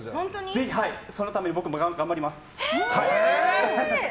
ぜひそのために僕も頑張ります。